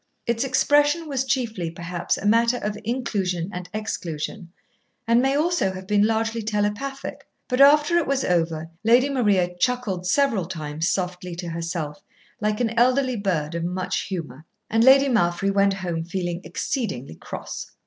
Its expression was chiefly, perhaps, a matter of inclusion and exclusion, and may also have been largely telepathic; but after it was over, Lady Maria chuckled several times softly to herself, like an elderly bird of much humour, and Lady Malfry went home feeling exceedingly cross.